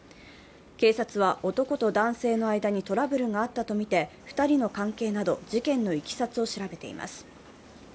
警察は男と男性の間にトラブルがあったとみて２人の関係など事件のいきさつを調べています。